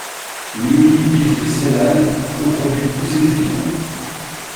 Nuri Bilge Ceylan coproduit tous ses films.